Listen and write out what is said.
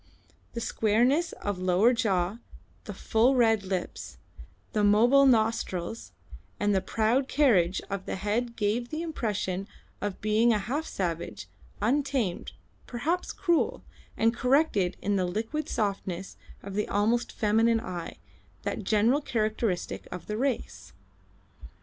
The squareness of lower jaw, the full red lips, the mobile nostrils, and the proud carriage of the head gave the impression of a being half savage, untamed, perhaps cruel, and corrected the liquid softness of the almost feminine eye, that general characteristic of the race.